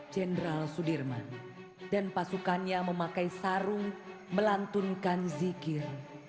jenderal sudirman dan pasukannya memakai sarung melantunkan zikir